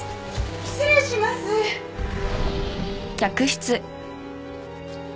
失礼します！